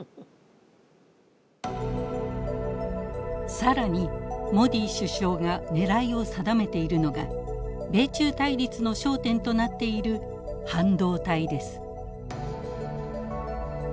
更にモディ首相が狙いを定めているのが米中対立の焦点となっている半導体です。